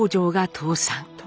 倒産。